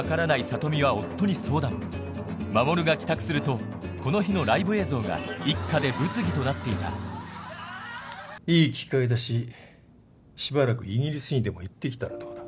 里美は夫に相談守が帰宅するとこの日のライブ映像が一家で物議となっていたいい機会だししばらくイギリスにでも行って来たらどうだ？